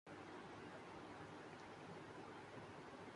جہاں یہ نظام لڑکیوں میں احساسِ کمتری پیدا کرتا ہے